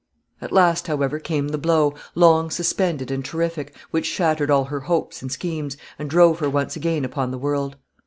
At last, however, came the blow, long suspended and terrific, which shattered all her hopes and schemes, and drove her once again upon the world.